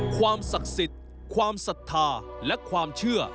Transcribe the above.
ความศักดิ์สิทธิ์ความศรัทธาและความเชื่อ